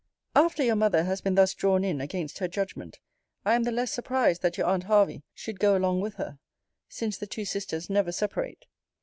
After your mother has been thus drawn in against her judgment, I am the less surprised, that your aunt Hervey should go along with her; since the two sisters never separate.